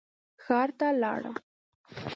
ښار ته لاړم.